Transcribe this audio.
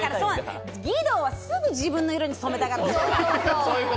義堂はすぐ自分の色に染めたがる。